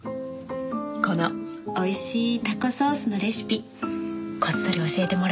このおいしいタコソースのレシピこっそり教えてもらえます？